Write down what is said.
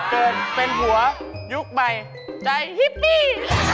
เกินเป็นหัวยุคใหม่ใจฮิปปี้